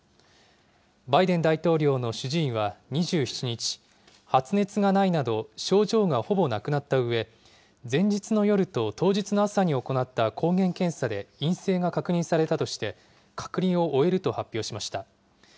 バイデン大統領の主治医は２７日、発熱がないなど、症状がほぼなくなったうえ、前日の夜と当日の朝に行った抗原検査で陰性が確認されたとして、隔離を終えると発表しました。